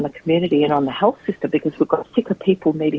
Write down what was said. karena kami memiliki orang orang yang sakit yang membutuhkan kesehatan yang lebih mahal